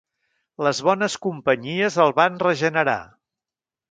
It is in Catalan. Les bones companyies el van regenerar.